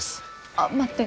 ああ待って。